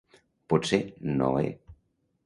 Pot ser, no he.